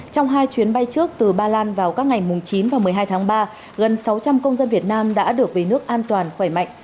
trong hai chuyến bay trước từ ba lan vào các ngày chín và một mươi hai tháng ba gần sáu trăm linh công dân việt nam đã được về nước an toàn khỏe mạnh